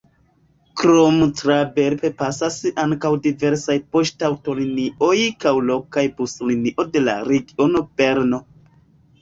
Krome tra Belp pasas ankaŭ diversaj poŝtaŭtolinioj kaj lokaj buslinio de la regiono Berno.